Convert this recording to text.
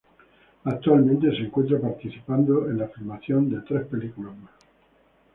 Actualmente se encuentra participando en la filmación de tres películas más.